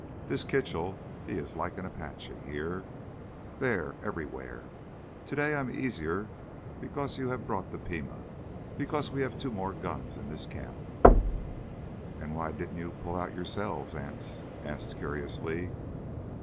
This Kitchell, he is like an Apache—here, there, everywhere. Today I am easier because you have brought the Pima, because we have two more guns in this camp." "Why didn't you pull out yourselves?" Anse asked curiously.